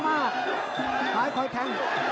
ตอนนี้มันถึง๓